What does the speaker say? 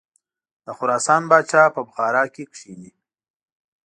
د خراسان پاچا په بخارا کې کښیني.